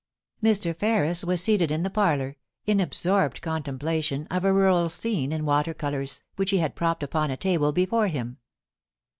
Mr. Ferris was seated in the parlour, in absorbed con templation of a rural scene in water colours, which he had propped upon a table before him.